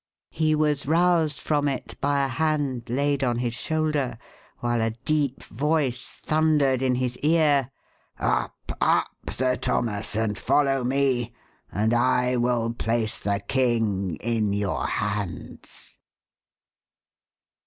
He was roused from it by a hand laid on his shoulder, while a deep voice thundered in his ear "Up, up, Sir Thomas, and follow me, and I will place the king in your hands!"